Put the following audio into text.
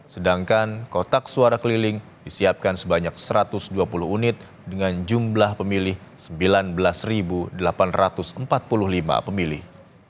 sedangkan kotak suara keliling disiapkan sebanyak satu ratus dua puluh unit dengan jumlah pemilih sembilan belas delapan ratus empat puluh lima pemilih